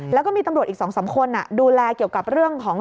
แล้วก็มีตำรวจอีก๒๓คนดูแลเกี่ยวกับเรื่องของ